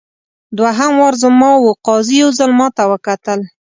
دوهم وار زما وو قاضي یو ځل ماته وکتل.